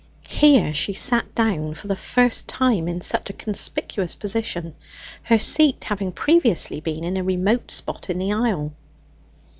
Here she sat down, for the first time in such a conspicuous position, her seat having previously been in a remote spot in the aisle.